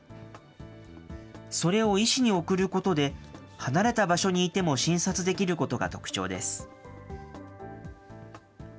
それを医師に送ることで、離れた場所にいても診察できることが特徴です。